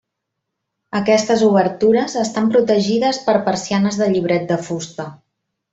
Aquestes obertures estan protegides per persianes de llibret de fusta.